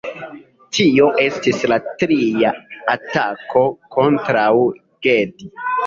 Tio estis la tria atako kontraŭ Gedi.